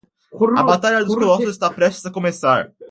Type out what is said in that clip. A batalha de colossos está prestes a começar!